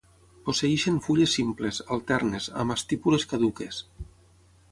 Posseeixen fulles simples, alternes, amb estípules caduques.